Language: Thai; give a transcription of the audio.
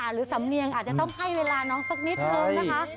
หรือสำเนียงอาจจะต้องให้เวลาน้องสักนิดนึงนะคะ